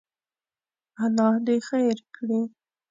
الله دې خیر کړي.